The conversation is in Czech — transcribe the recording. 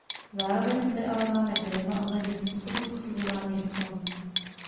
Zároveň zde ale máme dilema ohledně způsobu posuzování reklamy.